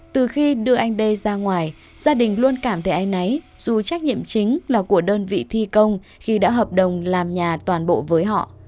từ khi đưa anh đê ra ngoài gia đình luôn cảm thấy anh ấy dù trách nhiệm chính là của đơn vị thi công khi đã hợp đồng làm nhà toàn bộ với họ